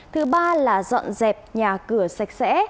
thứ ba là dọn dẹp nhà cửa sạch sẽ